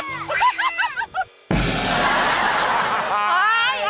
กะตัด